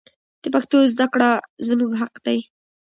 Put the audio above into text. د پښتو زده کړه زموږ حق دی.